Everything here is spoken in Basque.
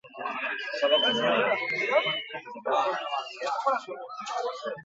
Aliantza politikaren aldaketa batekin espekulatu zuten Sudango hedabideek.